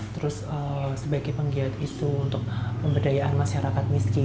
terus sebagai penggiat isu untuk pemberdayaan masyarakat miskin